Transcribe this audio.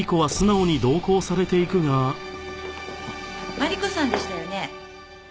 マリコさんでしたよね？